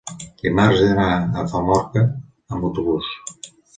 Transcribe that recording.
Dimarts he d'anar a Famorca amb autobús.